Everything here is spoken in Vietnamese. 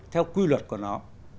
theo quy luật của nó